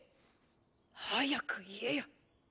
早く言えや。